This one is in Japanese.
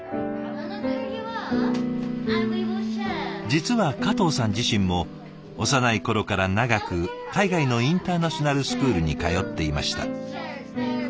実は加藤さん自身も幼い頃から長く海外のインターナショナルスクールに通っていました。